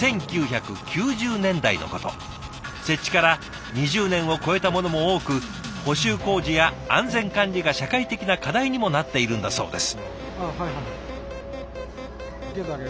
設置から２０年を超えたものも多く補修工事や安全管理が社会的な課題にもなっているんだそうです。